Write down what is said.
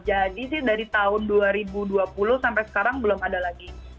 jadi sih dari tahun dua ribu dua puluh sampai sekarang belum ada lagi